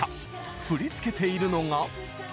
振り付けているのが。